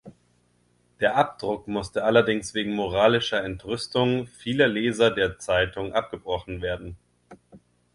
Der Abdruck musste allerdings wegen moralischer Entrüstung vieler Leser der Zeitung abgebrochen werden.